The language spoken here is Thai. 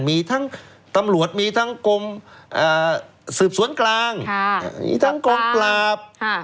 มีทั้งตำรวจมีทั้งกรมสืบสวนกลางมีทั้งกองปราบ